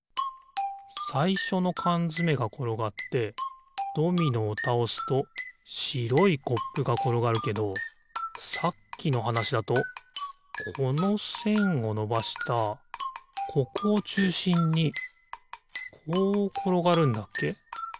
さいしょのかんづめがころがってドミノをたおすとしろいコップがころがるけどさっきのはなしだとこのせんをのばしたここをちゅうしんにこうころがるんだっけ？